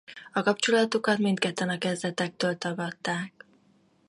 A kapcsolatukat mindketten a kezdetektől tagadták.